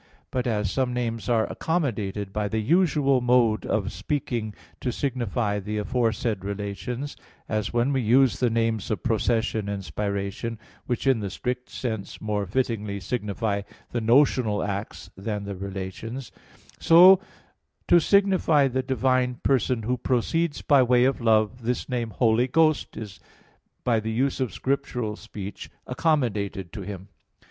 But as some names are accommodated by the usual mode of speaking to signify the aforesaid relations, as when we use the names of procession and spiration, which in the strict sense more fittingly signify the notional acts than the relations; so to signify the divine Person, Who proceeds by way of love, this name "Holy Ghost" is by the use of scriptural speech accommodated to Him.